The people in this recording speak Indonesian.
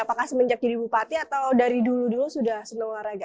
apakah semenjak jadi bupati atau dari dulu dulu sudah senang olahraga